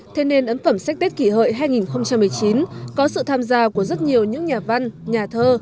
thế nên ấn phẩm sách tết kỷ hợi hai nghìn một mươi chín có sự tham gia của rất nhiều những nhà văn nhà thơ